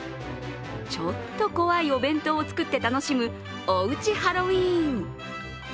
ちょっと怖いお弁当を作って楽しむおうちハロウィーン。